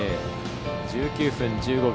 １９分１５秒。